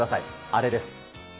あれです。